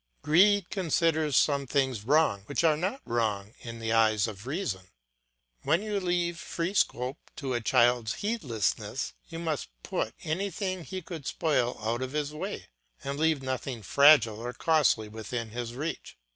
Greed considers some things wrong which are not wrong in the eyes of reason. When you leave free scope to a child's heedlessness, you must put anything he could spoil out of his way, and leave nothing fragile or costly within his reach.